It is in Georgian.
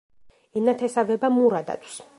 ენათესავება მურა დათვს.